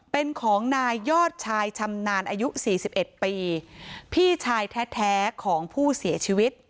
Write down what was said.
เป็นของนายยอดชายชำนาญอายุสี่สิบเอ็ดปีพี่ชายแท้ของผู้เสียชีวิต